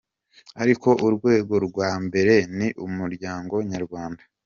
Ariko urwego rwa mbere ni umuryango nyarwanda.